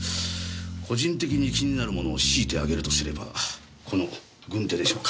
個人的に気になるものを強いて挙げるとすればこの軍手でしょうか。